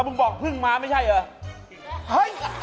ก็บอกฮึ่งมาไม่ใช่เออ